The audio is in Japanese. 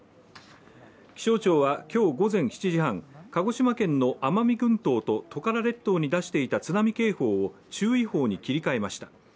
気象庁は今日午前７時半、鹿児島県の奄美群島とトカラ列島に出していた津波警報を注意報に切り替えました。